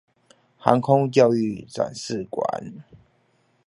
航空教育展示館